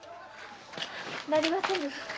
なりませぬ！